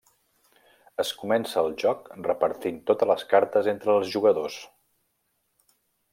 Es comença el joc repartint totes les cartes entre els jugadors.